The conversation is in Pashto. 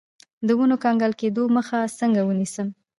د ونو د کنګل کیدو مخه څنګه ونیسم؟